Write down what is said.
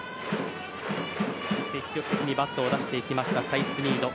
積極的にバットを出していきましたサイスニード。